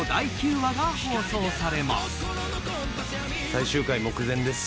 最終回目前です。